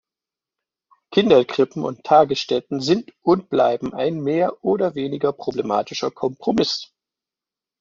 Kinderkrippen und Tagesstätten sind und bleiben ein mehr oder weniger problematischer Kompromiss.